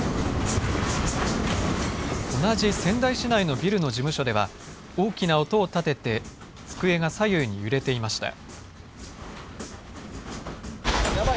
同じ仙台市内のビルの事務所では大きな音を立てて机が左右に揺れていました。